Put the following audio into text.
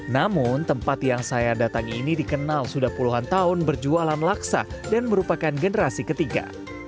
namun tempat yang saya datangi ini dikenal sudah puluhan tahun berjualan laksa dan merupakan generasi ketiga